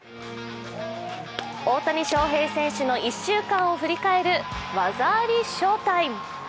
大谷翔平選手の１週間を振り返る「技ありＳＨＯＷ−ＴＩＭＥ」。